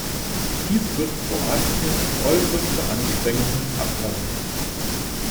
Dies wird Kroatien äußerste Anstrengungen abverlangen.